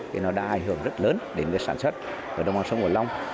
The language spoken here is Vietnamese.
thì nó đã ảnh hưởng rất lớn đến việc sản xuất ở đông băng sông kiểu long